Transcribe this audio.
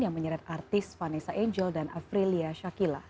yang menyeret artis vanessa angel dan afrilia shakila